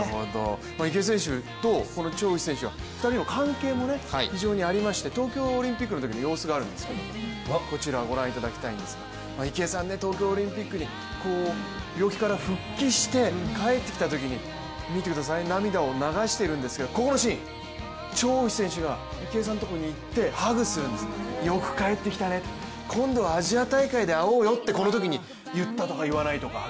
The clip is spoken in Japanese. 池江選手とこの張雨霏選手が２人の関係も非常にありまして、東京オリンピックのときの様子こちらご覧いただきたいんですが池江さん、東京オリンピックに病気から復帰して帰ってきたときに涙を流しているんですけれどもここのシーン、張雨霏選手が池江さんのところにいってハグするんですよく帰ってきたね、今度はアジア大会で会おうよと言ったとか言わないとか。